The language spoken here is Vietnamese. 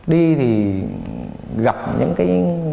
đi thì gặp những cái